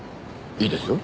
いいですよ。